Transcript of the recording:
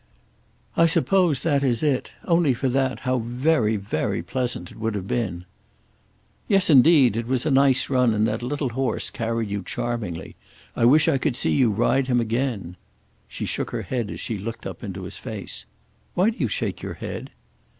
"I suppose that is it. Only for that how very very pleasant it would have been!" "Yes, indeed. It was a nice run, and that little horse carried you charmingly. I wish I could see you ride him again." She shook her head as she looked up into his face. "Why do you shake your head?"